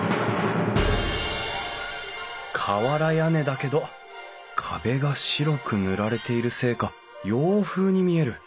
瓦屋根だけど壁が白く塗られているせいか洋風に見える。